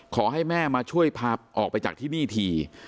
ขอให้แม่มาช่วยพาออกไปจากที่นี่ที